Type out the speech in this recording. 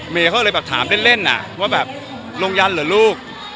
เขาเลยแบบถามเล่นว่าแบบลงยันเหรอลูก